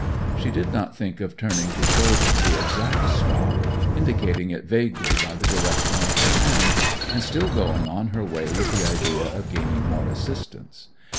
She did not think of turning to show them the exact spot, indicating it vaguely by the direction of her hand, and still going on her way with the idea of gaining more assistance.